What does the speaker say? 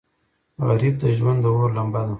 غریب د ژوند د اور لمبه ده